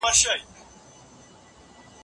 ورزش کول بدن ته روغتیا ورکوي.